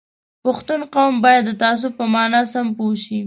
پښتون قوم باید د تعصب په مانا سم پوه شي